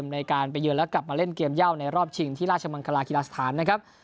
ในการไปเยือนแล้วกลับมาเล่นเกมเย่าในรอบชิงที่ราชมังคลากีฬาสถานนะครับ